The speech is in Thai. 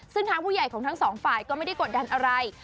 ซึ่งทางผู้ใหญ่ของทั้งสองฝ่ายก็ไม่ได้กดดันอะไร